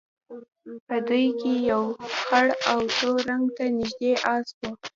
په دوی کې یو خړ او تور رنګ ته نژدې اس وو.